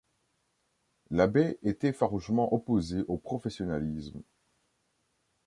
L'abbé était farouchement opposé au professionnalisme.